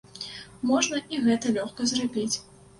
Можна і гэта лёгка зрабіць.